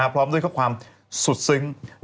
พร้อมด้วยข้อความตรงงี้